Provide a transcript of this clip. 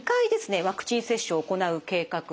ワクチン接種を行う計画です。